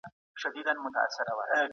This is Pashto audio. لومړنۍ پېړۍ يې د تورو پېړيو په نوم ياديږي.